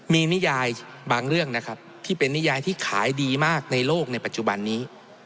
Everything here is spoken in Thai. มีนิยายบางเรื่องนะครับที่เป็นนิยายที่ขายดีมากในโลกในปัจจุบันนี้